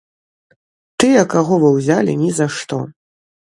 Тыя, каго вы ўзялі ні за што.